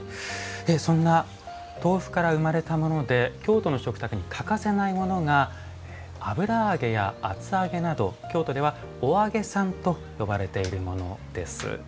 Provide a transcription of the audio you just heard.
そんな豆腐から生まれたもので京都の食卓に欠かせないものが油揚げや厚揚げなど京都では「お揚げさん」と呼ばれているものです。